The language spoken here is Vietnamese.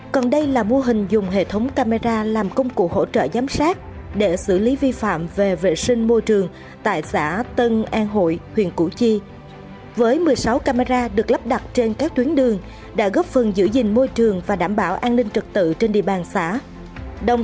còn đây là mô hình dùng hệ thống camera làm công cụ hỗ trợ giám sát để xử lý vi phạm về vệ sinh môi trường